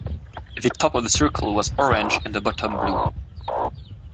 The top of the circle was orange, and the bottom blue.